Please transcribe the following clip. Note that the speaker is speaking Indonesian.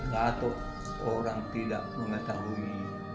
gatot orang tidak memetahui